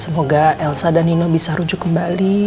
semoga elsa dan nino bisa rujuk kembali